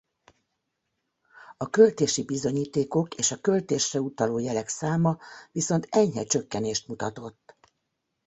A költési bizonyítékok és a költésre utaló jelek száma viszont enyhe csökkenést mutatott.